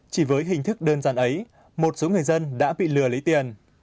chỉ với hình thức đơn giản ấy một số người dân đã bị lừa lấy tiền